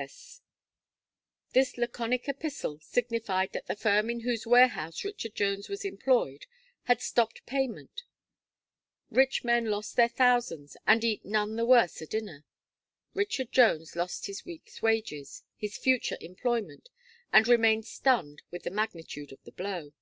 S." This laconic epistle signified that the firm in whose warehouse Richard Jones was employed, had stopped payment Rich men lost their thousands, and eat none the worse a dinner; Richard Jones lost his week's wages, his future employment, and remained stunned with the magnitude of the blow.